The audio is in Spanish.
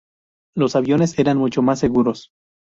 Los aviones eran mucho más seguros.